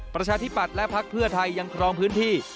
ประชาธิปัตย์และพักเพื่อไทยยังครองพื้นที่